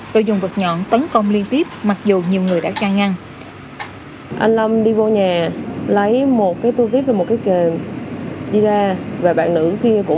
rồi dùng vật nhọn tấn công liên tiếp mặc dù nhiều người đã can ngăn